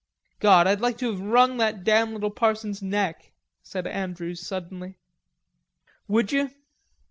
"God, I'd like to have wrung that damn little parson's neck," said Andrews suddenly. "Would you?"